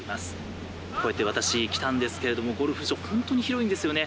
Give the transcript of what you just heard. こうやって私、来たんですけれどもゴルフ場、本当に広いんですよね。